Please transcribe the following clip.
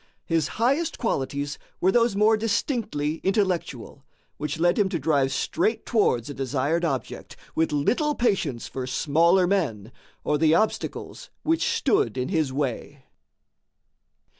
His highest qualities were those more distinctly intellectual, which led him to drive straight towards a desired object, with little patience for smaller men or the obstacles which stood in his way.